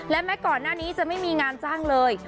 และแม้ก่อนหน้านี้จะไม่มีงานจ้างเลย